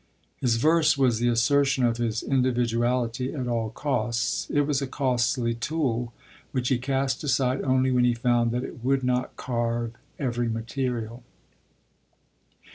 His verse was the assertion of his individuality at all costs; it was a costly tool, which he cast aside only when he found that it would not carve every material.